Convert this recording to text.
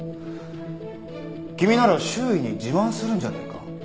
君なら周囲に自慢するんじゃないか？